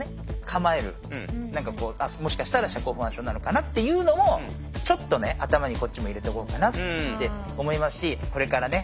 構える何かもしかしたら社交不安症なのかなっていうのをちょっとね頭にこっちも入れておこうかなって思いますしこれからね